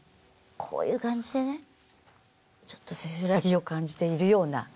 こういう感じでねちょっとせせらぎを感じているような感じ？